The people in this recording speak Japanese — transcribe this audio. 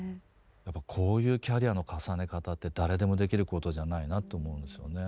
やっぱこういうキャリアの重ね方って誰でもできることじゃないなと思うんですよね。